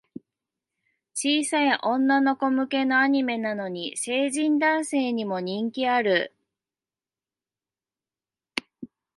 小さい女の子向けのアニメなのに、成人男性にも人気ある